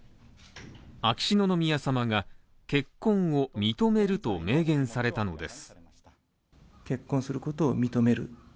秋篠宮さまが結婚を認めると明言されたのです